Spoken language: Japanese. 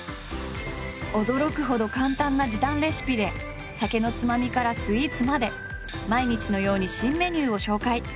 驚くほど簡単な時短レシピで酒のつまみからスイーツまで毎日のように新メニューを紹介。